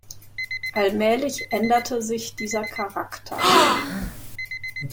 Allmählich änderte sich dieser Charakter.